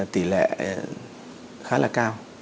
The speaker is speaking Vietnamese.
tỷ lệ khá là cao